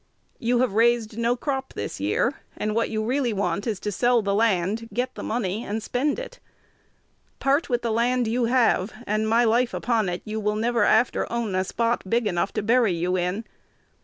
You have raised no crop this year; and what you really want is to sell the land, get the money, and spend it. Part with the land you have, and, my life upon it, you will never after own a spot big enough to bury you in.